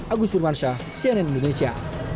agus furmansyah cnn indonesia